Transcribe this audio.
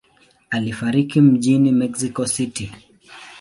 Alifariki mjini Mexico City.